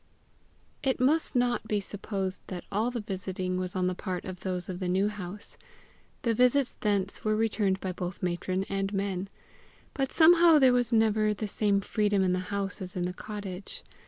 It must not be supposed that all the visiting was on the part of those of the New House. The visits thence were returned by both matron and men. But somehow there was never the same freedom in the house as in the cottage.